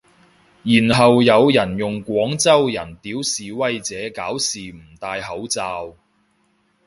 然後有人用廣州人屌示威者搞事唔戴口罩